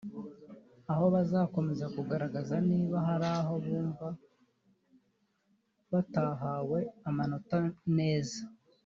aho bazakomeza kugaragaza niba hari aho bumva batahawe amanota neza